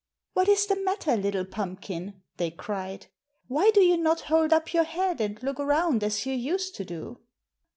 "What is the matter, little pumpkin?" they cried. "Why do you not hold up your head and look around as you used to do?"